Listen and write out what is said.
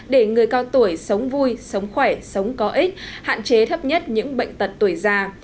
để người cao tuổi sống vui sống khỏe sống có ích hạn chế thấp nhất những bệnh tật tuổi già